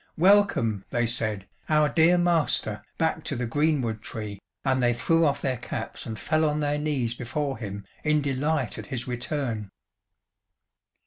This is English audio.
"Welcome," they said, "our dear master, back to the greenwood tree," and they threw off their caps and fell on their knees before him in delight at his return.